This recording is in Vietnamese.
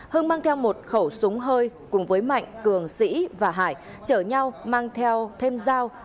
hưng mang theo một khẩu súng hơi cùng với mạnh cường sĩ và hải chở nhau mang theo thêm dao